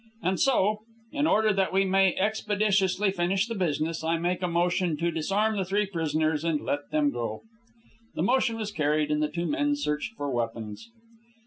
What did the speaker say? And so, in order that we may expeditiously finish the business, I make a motion to disarm the three prisoners and let them go." The motion was carried, and the two men searched for weapons.